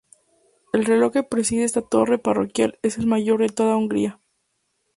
El reloj que preside esta torre parroquial es el mayor de toda Hungría.